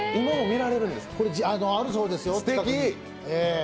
まだあるそうですよ。